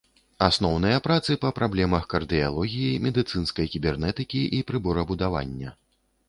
Асноўныя працы па праблемах кардыялогіі, медыцынскай кібернетыкі і прыборабудавання.